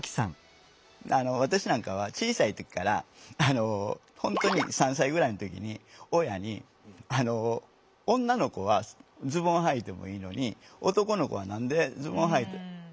私なんかは小さい時から本当に３歳ぐらいの時に親に「女の子はズボンはいてもいいのに男の子は何でスカートはいたらあかんの？」